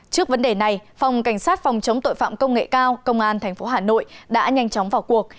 trước vấn đề này phòng cảnh sát phòng chống tội phạm công nghệ cao công an tp hà nội đã nhanh chóng vào cuộc